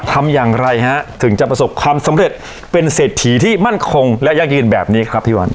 ทำอย่างไรฮะถึงจะประสบความสำเร็จเป็นเศรษฐีที่มั่นคงและยั่งยืนแบบนี้ครับพี่วัน